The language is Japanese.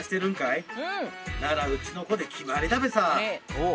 ならうちの子で決まりだべさ